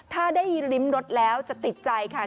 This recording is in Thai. ถ้าได้ริมรสแล้วจะติดใจค่ะ